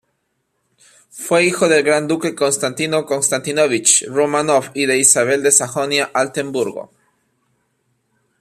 Fue hijo del gran duque Constantino Konstantínovich Románov y de Isabel de Sajonia-Altemburgo.